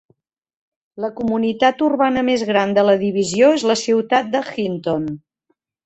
La comunitat urbana més gran de la divisió és la ciutat de Hinton.